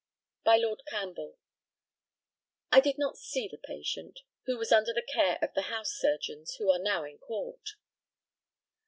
By Lord CAMPBELL: I did not see the patient, who was under the care of the house surgeons, who are now in court.